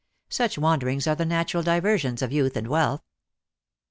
Such wanderings are the natural diver sions of youth and wealth.